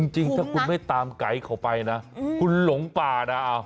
จริงถ้าคุณไม่ตามไกด์เขาไปนะคุณหลงป่านะ